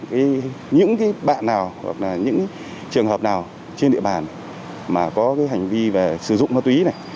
và những bạn nào hoặc là những trường hợp nào trên địa bàn mà có hành vi sử dụng ma túy này